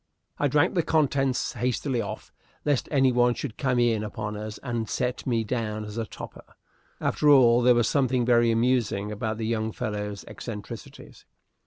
I drank the contents hastily off, lest any one should come in upon us and set me down as a toper. After all, there was something very amusing about the young fellow's eccentricities.